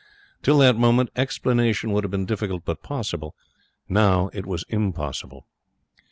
Till that moment explanation would have been difficult, but possible. Now it was impossible.